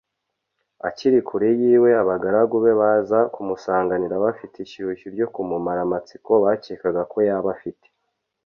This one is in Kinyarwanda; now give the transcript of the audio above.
. Akiri kure y’iwe, abagaragu be baza kumusanganira, bafite ishyushyu ryo kumumara amatsiko bakekaga ko yaba afite